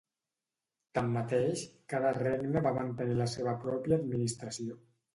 Tanmateix, cada regne va mantenir la seva pròpia administració.